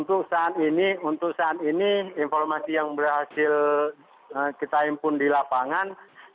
untuk saat ini informasi yang berhasil kita impun di lapangan